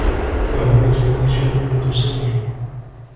وَهُوَ كَرِيشَةٍ تُسَلُّ